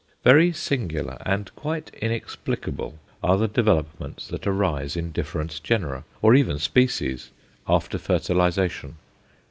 Very singular and quite inexplicable are the developments that arise in different genera, or even species, after fertilization.